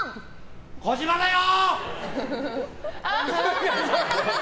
児嶋だよ！